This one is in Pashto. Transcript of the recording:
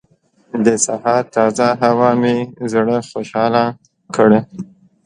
د سهار تازه هوا مې زړه خوشحاله کړ.